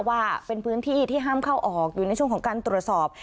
ว่าเป็นพื้นที่ที่ห้ามเข้าออกอยู่ในช่วงของการตรวจสอบ